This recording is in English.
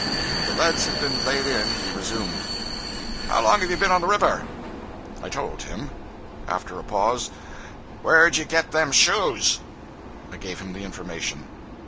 When the leads had been laid in, he resumed 'How long you been on the river?' I told him. After a pause 'Where'd you get them shoes?' I gave him the information.